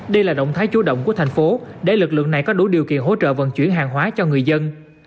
đây là động thái chú động của thành phố để lực lượng này có đủ điều kiện hỗ trợ vận chuyển hàng hóa cho người dân